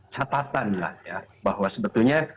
catatan lah ya bahwa sebetulnya